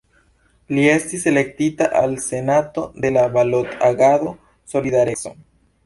Li estis elektita al Senato de la Balot-Agado "Solidareco".